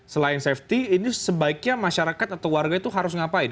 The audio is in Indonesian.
selain safety ini sebaiknya masyarakat atau warga itu harus ngapain